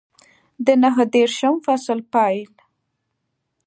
د نهه دېرشم فصل پیل